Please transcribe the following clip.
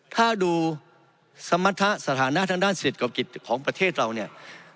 ถ้าดูสมรรถะสถานะทางด้านเศรษฐกิจของประเทศเราเนี่ย